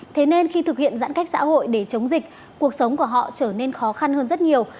thế nên khi thực hiện giãn cách xã hội để chống dịch cuộc sống của họ trở nên khó khăn hơn rất nhiều